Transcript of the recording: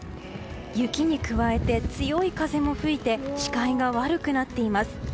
雪に加えて強い風も吹いて視界が悪くなっています。